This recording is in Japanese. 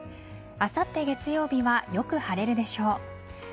あさって月曜日はよく晴れるでしょう。